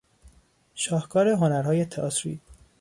شاهکار هنرهای تئاتری